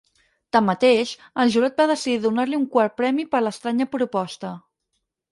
Tanmateix, el jurat va decidir donar-li un quart premi per l'estranya proposta.